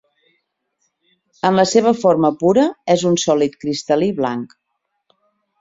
En la seva forma pura és un sòlid cristal·lí blanc.